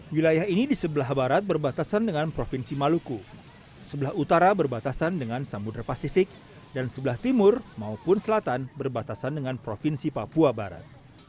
wilayah ini di sebelah barat berbatasan dengan provinsi maluku sebelah utara berbatasan dengan samudera pasifik dan sebelah timur maupun selatan berbatasan dengan provinsi papua barat